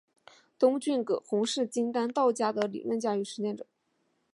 东晋葛洪是金丹道教的理论家与实践者。